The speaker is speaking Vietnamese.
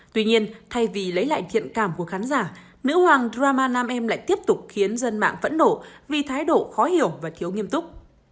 tuy nhiên thay vì lấy lại thiện cảm của khán giả nữ hoàng drama nam em lại tiếp tục khiến dân mạng phẫn nổ vì thái độ khó hiểu và thiếu nghiêm túc